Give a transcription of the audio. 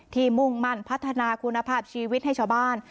มุ่งมั่นพัฒนาคุณภาพชีวิตให้ชาวบ้าน